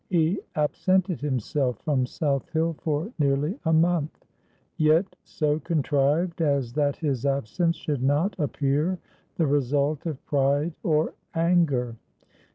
He absented himself from South Hill for nearly a month, yet so contrived as that his absence should not appear the result of pride or anger.